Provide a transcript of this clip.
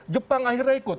jepang akhirnya ikut